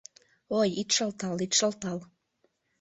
Ой, ит шылтал, ит шылтал.